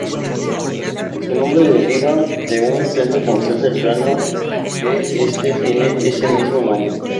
Su nombre deriva de un centro comercial cercano que tiene ese mismo nombre.